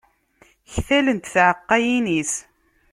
Ktalent tɛaqqayin-is.